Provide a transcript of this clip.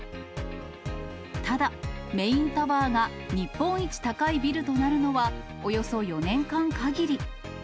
ただ、メインタワーが日本一高いビルとなるのは、およそ４年間限り。